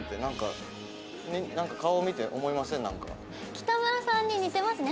北村さんに似てますね